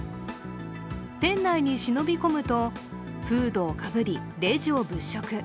店内に忍び込むと、フードをかぶりレジを物色。